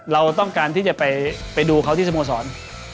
เราต้องการที่จะไปดูเขาที่สโมสร